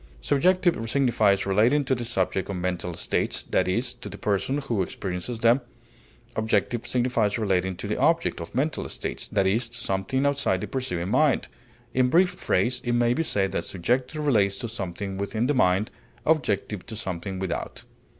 Subjective signifies relating to the subject of mental states, that is, to the person who experiences them; objective signifies relating to the object of mental states, that is, to something outside the perceiving mind; in brief phrase it may be said that subjective relates to something within the mind, objective to something without.